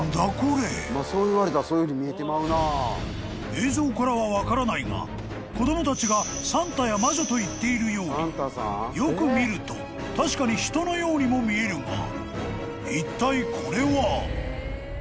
［映像からは分からないが子供たちがサンタや魔女と言っているようによく見ると確かに人のようにも見えるがいったいこれは？］